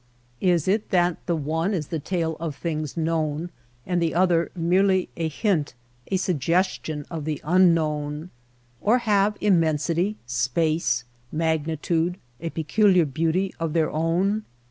Is it that the one is the tale of things known and the other merely a hint, a suggestion of the un DESERT SKY AND CLOUDS 107 known? Or have immensity, space, magnitude a peculiar beauty of their own